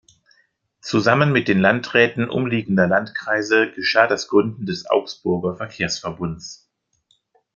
Zusammen mit den Landräten umliegender Landkreise geschah das Gründen des Augsburger Verkehrsverbunds.